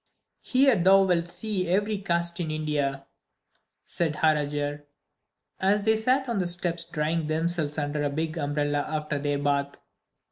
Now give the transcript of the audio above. "Here thou wilt see every caste in India," said Harajar, as they sat on the steps drying themselves under a big umbrella after their bath.